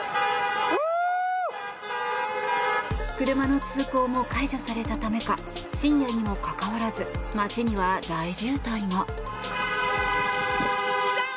車の通行も解除されたためか深夜にもかかわらず街には大渋滞が。